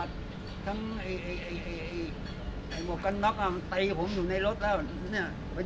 ตอนที่ผมโดนเขาไปหายขนาดเลย